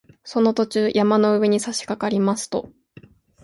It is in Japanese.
その途中、山の上にさしかかりますと